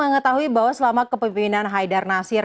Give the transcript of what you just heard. mengetahui bahwa selama kepemimpinan haidar nasir